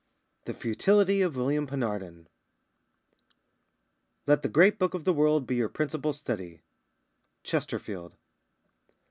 THE FUTILITY OF WILLIAM PENARDEN "Let the great book of the world be your principal study." CHESTERFIELD.